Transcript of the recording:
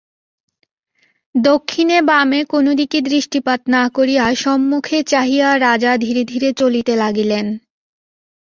দক্ষিণে বামে কোনো দিকে দৃষ্টিপাত না করিয়া সম্মুখে চাহিয়া রাজা ধীরে ধীরে চলিতে লাগিলেন।